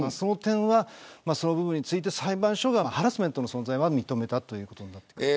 その部分について裁判所がハラスメントの存在は認めたということです。